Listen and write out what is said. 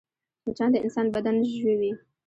مچان د انسان بدن ژوي